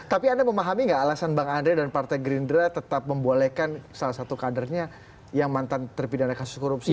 tapi anda memahami nggak alasan bang andre dan partai gerindra tetap membolehkan salah satu kadernya yang mantan terpidana kasus korupsi